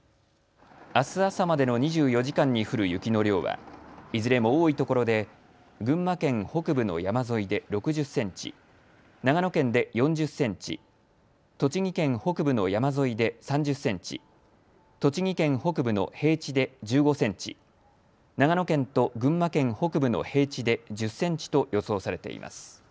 あす朝までの２４時間に降る雪の量はいずれも多いところで群馬県北部の山沿いで６０センチ、長野県で４０センチ、栃木県北部の山沿いで３０センチ、栃木県北部の平地で１５センチ、長野県と群馬県北部の平地で１０センチと予想されています。